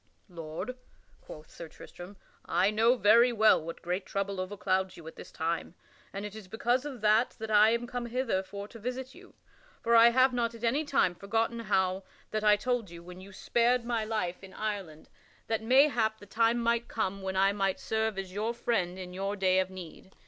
"Lord," quoth Sir Tristram, "I know very well what great trouble overclouds you at this time, and it is because of that that I am come hither for to visit you. For I have not at any time forgotten how that I told you when you spared my life in Ireland that mayhap the time might come when I might serve as your friend in your day of need.